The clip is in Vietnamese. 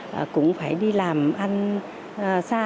chúng ta cũng phải đi làm ăn xa